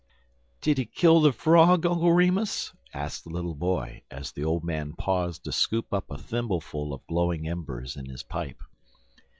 "'Did he kill the Frog, Uncle Remus?" asked the little boy, as the old man paused to scoop up a thimbleful of glowing embers in his pipe.